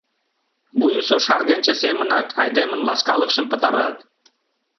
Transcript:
Вуйысо шаргенче семынак айдемын ласкалыкшым пытарат.